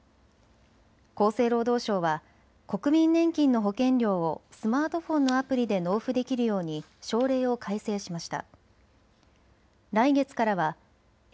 厚生労働省は国民年金の保険料をスマートフォンのアプリで納付できるように省令を改正しました。